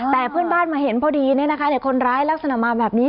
แต่เพื่อนบ้านมาเห็นพอดีคนร้ายลักษณะมาแบบนี้